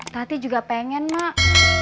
tati juga pengen mak